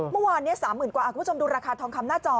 เมื่อวานนี้๓๐๐๐กว่าคุณผู้ชมดูราคาทองคำหน้าจอ